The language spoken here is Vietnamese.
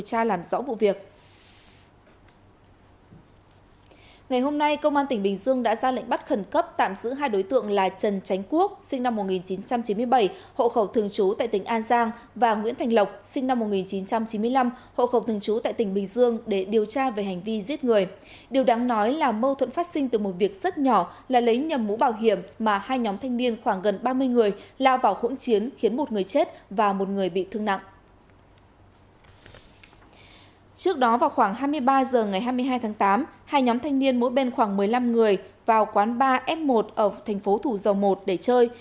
trước đó vào khoảng hai mươi ba h ngày hai mươi hai tháng tám hai nhóm thanh niên mỗi bên khoảng một mươi năm người vào quán bar f một ở tp thủ dầu một để chơi